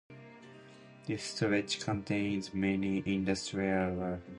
This stretch contains many industrial warehouses.